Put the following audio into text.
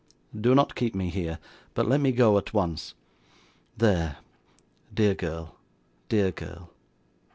Do not keep me here, but let me go at once. There. Dear girl dear girl.